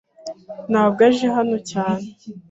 ntabwo aje hano cyane.